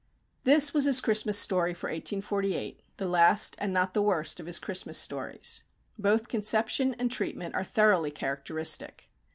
This was his Christmas story for 1848; the last, and not the worst of his Christmas stories. Both conception and treatment are thoroughly characteristic.